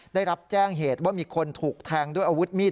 ได้รับแจ้งเหตุว่ามีคนถูกแทงด้วยอาวุธมีด